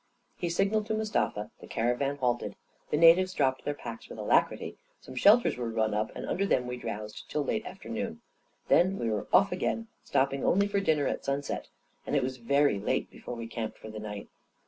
He signalled to Mustafa ; the caravan halted ; the natives dropped their packs with alacrity; some shelters were run up, and under them we drowsed till late afternoon. Then we were off again, stopping only for dinner at sunset, and it was very late before we camped for the night.